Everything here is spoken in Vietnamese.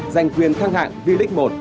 giành quyền thăng hạng vi lịch một